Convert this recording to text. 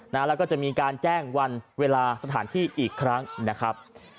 แล้วก็จะมีการแจ้งวันเวลาสถานที่อีกครั้งนะครับ